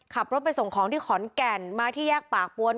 ขับรถไปส่งของที่ขอนแก่นมาที่แยกปากปวน